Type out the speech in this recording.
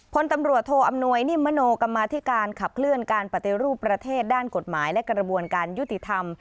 พลตำรวจโทอำนวยนิมมโนกรรมาธิการขับเคลื่อนการปฏิรูปประเทศด้านกฎหมายและกระบวนการยุติธรรม